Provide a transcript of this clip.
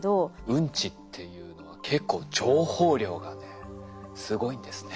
ウンチっていうのは結構情報量がねすごいんですね。